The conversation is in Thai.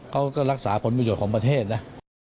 เขาก็รักษาผลประโยชน์ของประเทศนะ